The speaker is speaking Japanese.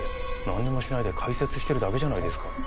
なんにもしないで解説してるだけじゃないですか。